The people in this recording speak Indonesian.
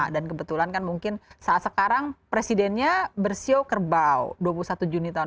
dan kebetulan kan mungkin saat sekarang presidennya bersio kerbau dua puluh satu juni tahun seribu sembilan ratus enam puluh satu